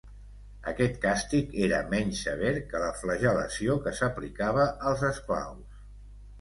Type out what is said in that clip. Aquest càstig era menys sever que la flagel·lació que s'aplicava als esclaus.